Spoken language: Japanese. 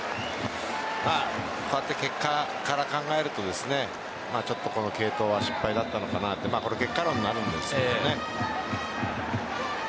こうやって結果から考えるとちょっとこの継投は失敗だったのかなと結果論になるんですけどね。